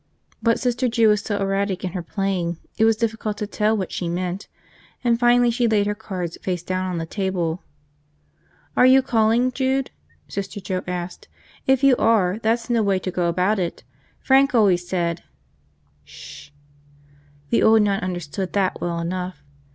But Sister Jude was so erratic in her playing it was difficult to tell what she meant, and finally she laid her cards face down on the table. "Are you calling, Jude?" Sister Joe asked. "If you are, that's no way to go about it. Frank always said ..." "Sh!" The old nun understood that well enough.